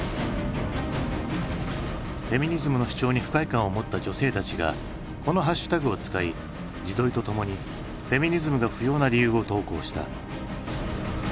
フェミニズムの主張に不快感を持った女性たちがこのハッシュタグを使い自撮りとともにフェミニズムが不要な理由を投稿した。